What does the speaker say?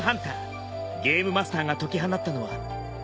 ゲームマスターが解き放ったのは自首ボックス。